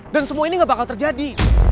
dan semua ini gak bakal terjadi